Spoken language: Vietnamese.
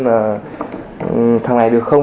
là thằng này được không